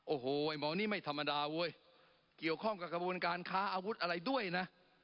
โอ้โหไอ้หมอนี่ไม่ธรรมดาเว้ยเกี่ยวข้องกับกระบวนการค้าอาวุธอะไรด้วยนะ